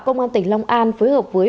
công an tỉnh long an phối hợp với